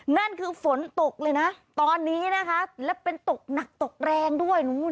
นั่นคือฝนตกเลยนะตอนนี้นะคะและเป็นตกหนักตกแรงด้วย